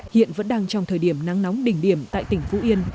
hiện vẫn đang trong thời điểm nắng nóng đỉnh điểm tại tỉnh phú yên